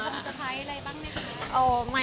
ส่วนความสะพายอะไรบ้างนะคะ